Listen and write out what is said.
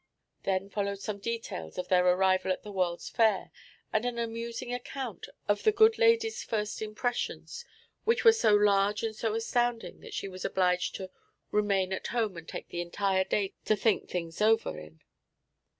Then followed some details of their arrival at the World's Fair and an amusing account of the good lady's first impressions, which were so large and so astounding that she was obliged to '"remain at home and take the entire day to think things over in."